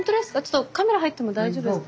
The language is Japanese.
カメラ入っても大丈夫ですか？